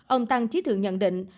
ông tăng trí thượng nhận định